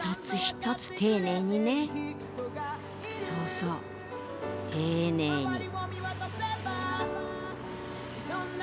そうそう丁寧に。